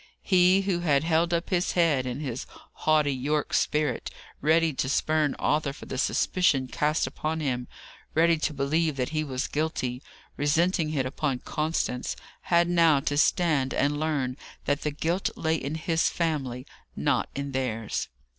He, who had held up his head, in his haughty Yorke spirit, ready to spurn Arthur for the suspicion cast upon him, ready to believe that he was guilty, resenting it upon Constance, had now to stand and learn that the guilt lay in his family, not in theirs.